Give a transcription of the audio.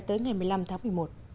tới ngày một mươi năm tháng một mươi một